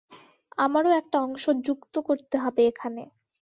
আমারও একটা অংশ যুক্ত করতে হবে এখানে।